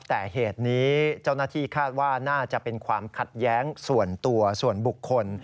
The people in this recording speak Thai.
แต่เหตุนี้เจ้าหน้าที่คาดว่าน่าจะเป็นความขัดแย้งส่วนตัวส่วนบุคคล